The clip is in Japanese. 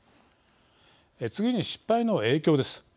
次に失敗の影響です。